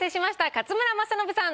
勝村政信さん